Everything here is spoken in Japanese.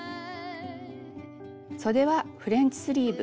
そではフレンチスリーブ。